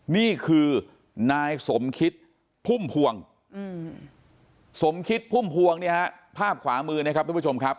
นี่คือนายสมคิดพุ่มพวงสมคิดพุ่มพวงเนี่ยฮะภาพขวามือนะครับทุกผู้ชมครับ